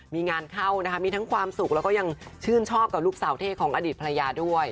มีงานเข้านะคะมีทั้งความสุขแล้วก็ยังชื่นชอบกับลูกสาวเท่ของอดีตภรรยาด้วย